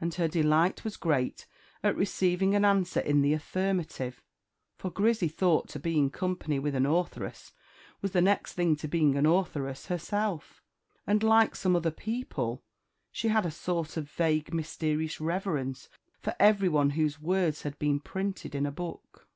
And her delight was great at receiving an answer in the affirmative; for Grizzy thought to be in company with an authoress was the next thing to being an authoress herself; and, like some other people, she had a sort of vague mysterious reverence for everyone whose words had been printed in a book.